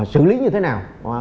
sử lý như thế nào